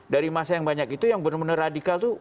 dari masa yang banyak itu yang benar benar radikal itu